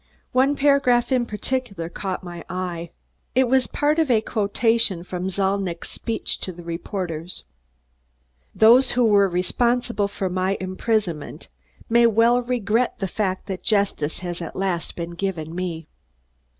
One paragraph in particular caught my eye. It was part of a quotation from Zalnitch's "speech" to the reporters. "Those who were responsible for my imprisonment may well regret the fact that justice has at last been given me.